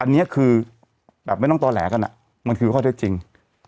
อันนี้คือแบบไม่ต้องต่อแหลกันมันคือข้อเท็จจริง